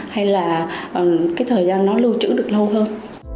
hay là cái thời gian nó lưu trữ được lâu hơn